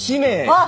あっ！